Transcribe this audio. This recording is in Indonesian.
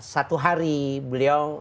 satu hari beliau